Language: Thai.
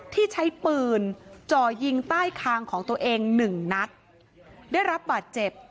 ที่ใช้ปืนจ่อยิงใต้คางของตัวเองหนึ่งนัดได้รับบาดเจ็บ